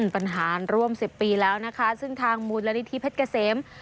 ปัญหาร่วม๑๐ปีแล้วนะคะซึ่งทางมูลนิธิเพชรเกษม